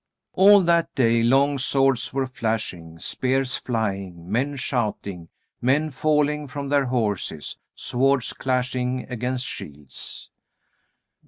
All that day long swords were flashing, spears flying, men shouting, men falling from their horses, swords clashing against shields.